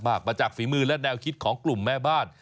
มาจากฝีมือและแนวคิดของกลุ่มแม่บ้าน